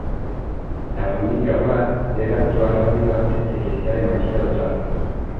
La familia Wade debe actuar rápido antes de que sea demasiado tarde.